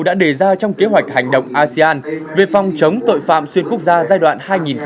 đã đề ra trong kế hoạch hành động asean về phòng chống tội phạm chuyên quốc gia giai đoạn hai nghìn một mươi sáu hai nghìn hai mươi năm